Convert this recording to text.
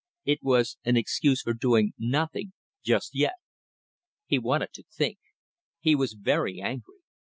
It was an excuse for doing nothing just yet. He wanted to think. He was very angry.